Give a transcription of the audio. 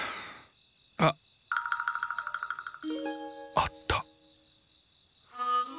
あ！あった。